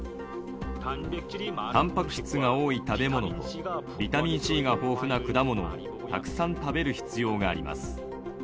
たんぱく質が多い食べ物と、ビタミンＣが豊富な果物をたくさん食べる必要があります。